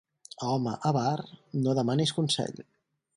A home avar no demanis consell.